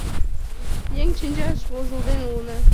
Еҥ шинчаш возылден улына.